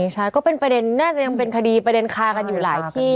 ใช่ก็เป็นประเด็นน่าจะยังเป็นคดีประเด็นคากันอยู่หลายที่